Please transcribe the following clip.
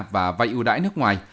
và vay ưu đãi nước ngoài